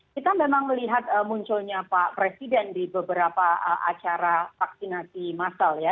kita memang melihat munculnya pak presiden di beberapa acara vaksinasi massal ya